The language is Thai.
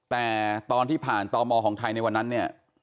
แต่ตอนที่ผ่านตมของไทยในวันนั้นเนี่ย